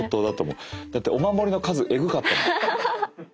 だってお守りの数エグかったもん。